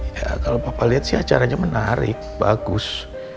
ya kalau bapak lihat sih acaranya menarik bagus